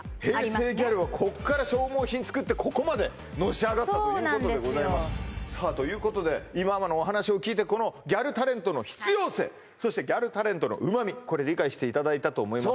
平成ギャルはこっから消耗品作ってここまでのし上がったということでということで今のお話を聞いてギャルタレントの必要性そしてギャルタレントのうまみ理解していただいたと思います